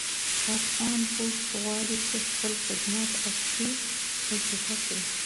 افغان پُست غواړي چې خپل خدمات عصري او چټک کړي